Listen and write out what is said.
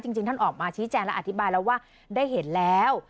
จริงท่านออกมาชี้แจงและอธิบายแล้วว่าได้เห็นแล้ว